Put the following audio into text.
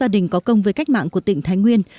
gia đình có công với cách mạng của tỉnh thái nguyên